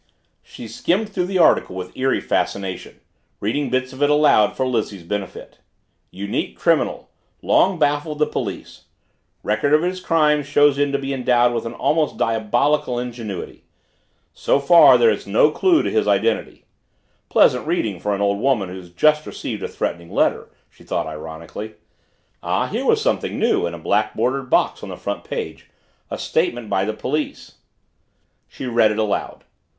She skimmed through the article with eerie fascination, reading bits of it aloud for Lizzie's benefit. "'Unique criminal long baffled the police record of his crimes shows him to be endowed with an almost diabolical ingenuity so far there is no clue to his identity '" Pleasant reading for an old woman who's just received a threatening letter, she thought ironically ah, here was something new in a black bordered box on the front page a statement by the paper. She read it aloud.